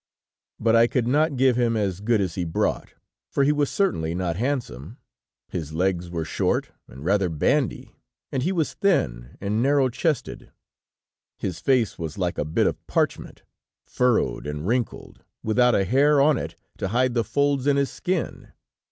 "But I could not give him as good as he brought, for he was certainly not handsome; his legs were short, and rather bandy and he was thin and narrow chested. His face was like a bit of parchment, furrowed and wrinkled, without a hair on it to hide the folds in his skin.